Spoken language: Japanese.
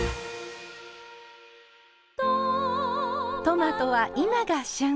トマトは今が旬。